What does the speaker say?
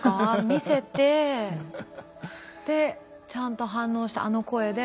見せてでちゃんと反応してあの声で。